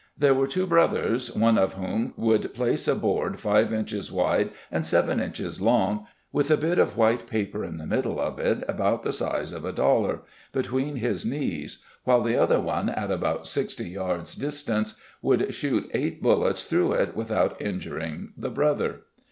There were two brothers, one of whom would place a board five inches wide and seven inches long with a bit of white paper in the middle of it about the size of a dollar, between his knees while the other at about sixty yards distance would shoot eight bullets through it without injuring the brother.